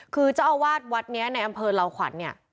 คือเจ้าอาวาสวัดนี้ในอำเภอลาวขวัญเนี่ย